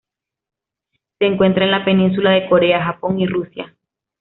Se encuentra en la Península de Corea, Japón y Rusia.